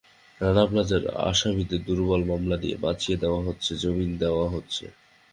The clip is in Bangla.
রানা প্লাজার আসামিদের দুর্বল মামলা দিয়ে বাঁচিয়ে দেওয়া হচ্ছে, জামিন দেওয়া হচ্ছে।